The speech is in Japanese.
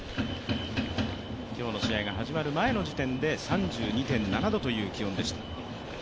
今日の試合が始まる前の時点で３２．７度という気温でした。